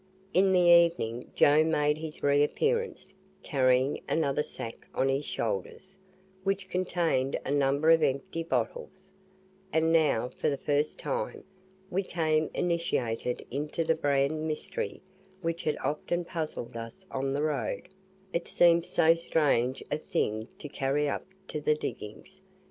In the evening Joe made his re appearance, carrying another sack on his shoulders, which contained a number of empty bottles, and now for the first time we became initiated into the BRAN mystery which had often puzzled us on the road it seemed so strange a thing to carry up to the diggings.